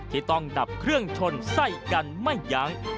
ที่ต้องดับเครื่องชนใส่กันไม่ยั้ง